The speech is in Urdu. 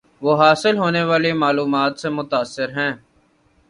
وہ حاصل ہونے والی معلومات سے متاثر ہیں